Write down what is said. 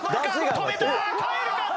止めた！」